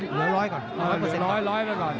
ตอนนี้เหลือ๑๐๐ก่อน